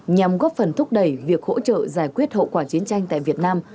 nhằm góp phần thúc đẩy việc hỗ trợ giải quyết hậu quả chiến tranh tại việt nam